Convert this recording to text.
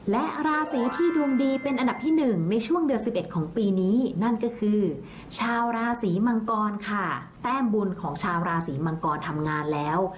และราศีที่ดวงดีเป็นอันดับที่๑ในช่วงเดือน๑๑ของปีนี้นั่นก็คือชาวราศีมังกรค่ะแต้มบุญของชาวราศีมังกรทำงานแล้ว